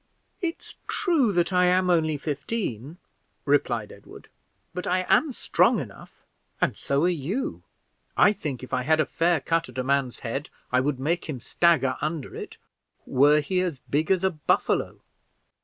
"It's true that I am only fifteen," replied Edward, "but I am strong enough, and so are you. I think if I had a fair cut at a man's head I would make him stagger under it, were he as big as a buffalo.